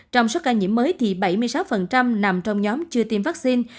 trong số ca nhiễm mới thì bảy mươi sáu nằm trong nhóm chưa tiêm vaccine